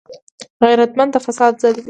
غیرتمند د فساد ضد وي